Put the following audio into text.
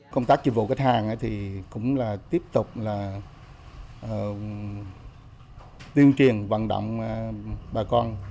công tác chiều vụ khách hàng thì cũng là tiếp tục tiên triển vận động bà con